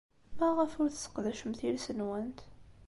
Maɣef ur tesseqdacemt iles-nwent?